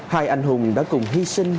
hai anh hùng đã cùng hy sinh